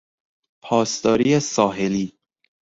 پاسداری ساحلی